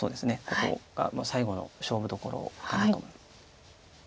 ここが最後の勝負どころかなと。